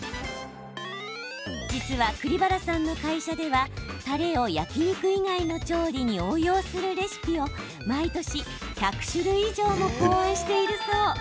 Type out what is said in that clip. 実は、栗原さんの会社ではたれを焼き肉以外の調理に応用するレシピを毎年１００種類以上も考案しているそう。